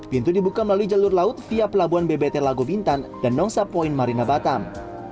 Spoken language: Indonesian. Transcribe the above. pintu dibuka melalui jalur laut via pelabuhan bbt lago bintan dan nongsa point marina batam